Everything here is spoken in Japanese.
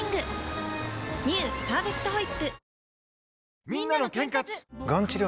「パーフェクトホイップ」